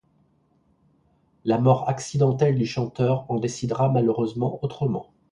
La mort accidentelle du chanteur en décidera malheureusement autrement.